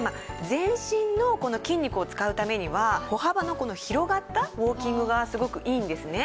全身の筋肉を使うためには歩幅の広がったウォーキングがすごくいいんですね。